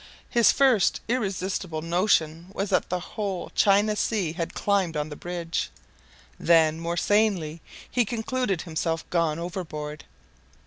His first irresistible notion was that the whole China Sea had climbed on the bridge. Then, more sanely, he concluded himself gone overboard.